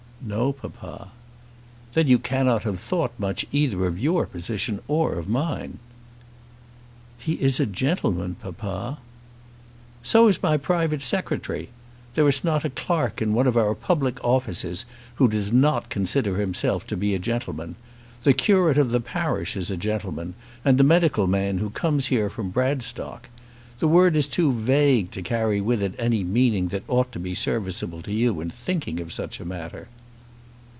"No, papa." "Then you cannot have thought much either of your position or of mine." "He is a gentleman, papa." "So is my private secretary. There is not a clerk in one of our public offices who does not consider himself to be a gentleman. The curate of the parish is a gentleman, and the medical man who comes here from Bradstock. The word is too vague to carry with it any meaning that ought to be serviceable to you in thinking of such a matter."